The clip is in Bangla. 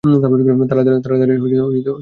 তারাতাড়ি সাবমেরিন আটকাও।